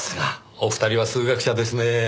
お二人は数学者ですねぇ。